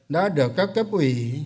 đã được các cấp ủy